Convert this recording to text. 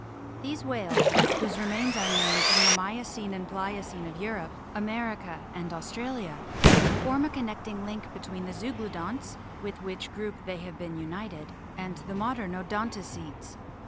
These whales, whose remains are known from the Miocene and Pliocene of Europe, America, and Australia, form a connecting link between the Zeuglo donts (with which group they have been united) and the modern Odontocetes.